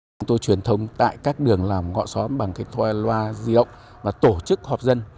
chúng tôi truyền thông tại các đường làm ngõ xóm bằng cái loa di động và tổ chức họp dân